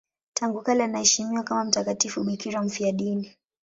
Tangu kale anaheshimiwa kama mtakatifu bikira mfiadini.